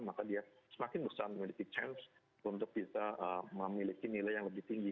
maka dia semakin besar memiliki chance untuk bisa memiliki nilai yang lebih tinggi